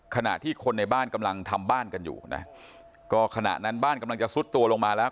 ขณะที่คนในบ้านกำลังทำบ้านกันอยู่นะก็ขณะนั้นบ้านกำลังจะซุดตัวลงมาแล้ว